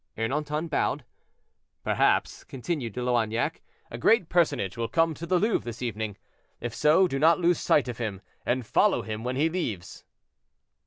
Ernanton bowed. "Perhaps," continued De Loignac, "a great personage will come to the Louvre this evening; if so, do not lose sight of him, and follow him when he leaves."